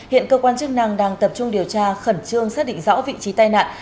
hiện cơ quan chức năng đang tập trung điều tra khẩn trương xác định rõ vị trí tai nạn